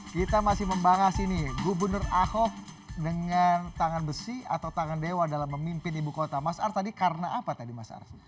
kita masih membahas ini gubernur ahok dengan tangan besi atau tangan dewa dalam memimpin ibu kota mas ar tadi karena apa tadi mas arsy